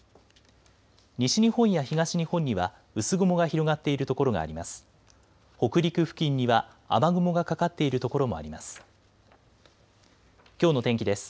西日本や東日本には薄雲が広がっている所があります。